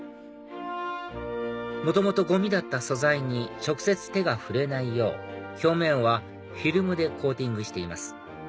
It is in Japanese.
元々ゴミだった素材に直接手が触れないよう表面はフィルムでコーティングしています